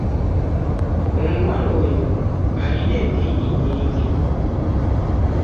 Omuwala oyo alina enviiri nnyingi.